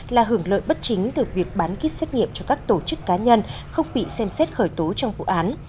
là hưởng lợi bất chính từ việc bán kit xét nghiệm cho các tổ chức cá nhân không bị xem xét khởi tố trong vụ án